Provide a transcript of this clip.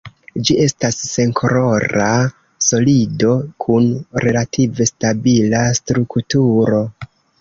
Ĝi estas senkolora solido kun relative stabila strukturo.